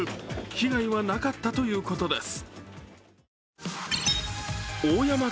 被害はなかったということです。